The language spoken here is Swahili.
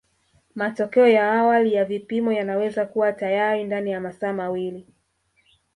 Matokeo ya awali ya vipimo yanaweza kuwa tayari ndani ya masaa mawili